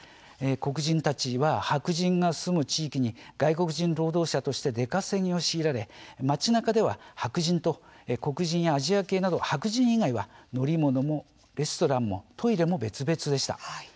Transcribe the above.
黒人たちは白人が住む地域に外国人労働者として出稼ぎを強いられ、街なかでは白人以外はアジア系も含め乗り物もレストランもトイレも別々でした。